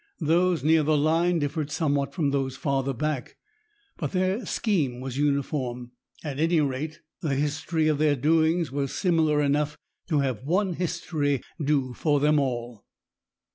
Those near the line differed somewhat from those farther back, but their scheme was uniform. At any rate, the history of their doings was similar enough to have one history do for them all.